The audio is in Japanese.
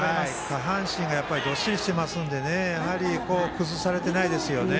下半身がどっしりしていますので崩されていないですよね。